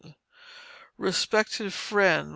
RESPECTED FRIEND, WM.